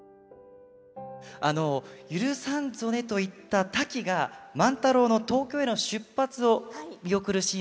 あの「許さんぞね」と言ったタキが万太郎の東京への出発を見送るシーンもあります。